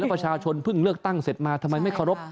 ประชาชนเพิ่งเลือกตั้งเสร็จมาทำไมไม่เคารพ